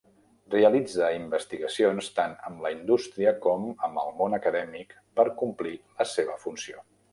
Realitza investigacions tant amb la indústria com amb el món acadèmic per complir la seva funció.